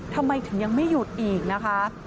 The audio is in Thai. ทำไมถึงยังไม่หยุดอีกนะคะ